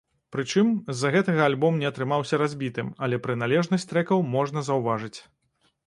Прычым, з-за гэтага альбом не атрымаўся разбітым, але прыналежнасць трэкаў можна заўважыць.